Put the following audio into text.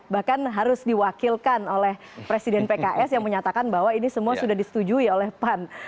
bahkan harus diwakilkan oleh presiden pks yang menyatakan bahwa ini semua sudah disetujui oleh pan